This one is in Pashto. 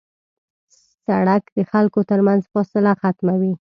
سړک د خلکو تر منځ فاصله ختموي.